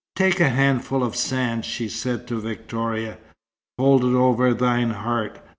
"Take a handful of sand," she said to Victoria. "Hold it over thine heart.